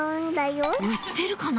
売ってるかな？